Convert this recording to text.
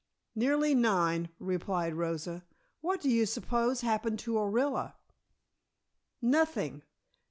"Nearly nine," replied Rosa. "What do you suppose happened to Orilla?" "Nothing.